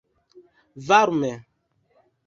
varme